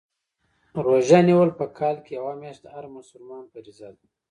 روژه نیول په کال کي یوه میاشت د هر مسلمان فریضه ده